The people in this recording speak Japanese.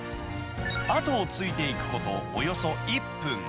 後をついていくことおよそ１分。